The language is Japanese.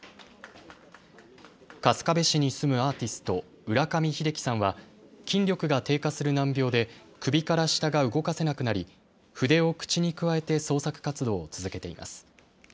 春日部市に住むアーティスト、浦上秀樹さんは筋力が低下する難病で首から下が動かせなくなり筆を口にくわえて創作活動を続けています。